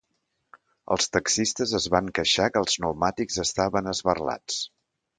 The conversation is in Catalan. Els taxistes es van queixar que els pneumàtics estaven esberlats.